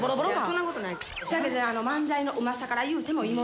そんなことない。